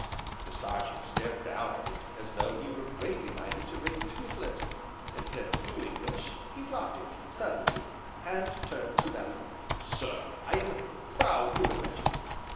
The Sergeant stared down at it as though he were greatly minded to raise it to his lips, instead of doing which, he dropped it, suddenly, and turned to Bellew: "Sir, I am proud to have met you.